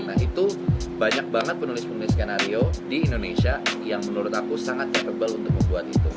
nah itu banyak banget penulis penulis skenario di indonesia yang menurut aku sangat capable untuk membuat itu